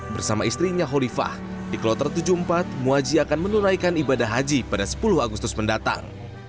bersama istrinya holifah di kloter tujuh puluh empat muaji akan menunaikan ibadah haji pada sepuluh agustus mendatang